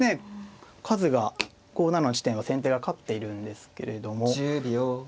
数が５七の地点は先手が勝っているんですけれども。